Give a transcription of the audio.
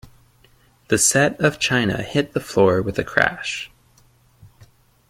The set of china hit the floor with a crash.